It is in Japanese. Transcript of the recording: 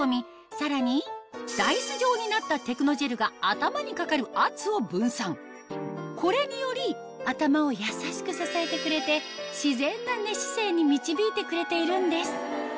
さらにダイス状になったテクノジェルがこれにより頭を優しく支えてくれてに導いてくれているんです